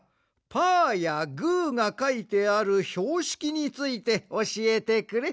パーやグーがかいてあるひょうしきについておしえてくれ。